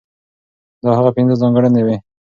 دا هغه پنځه ځانګړنې وې،